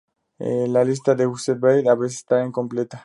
La lista de "Used by" a veces está incompleta.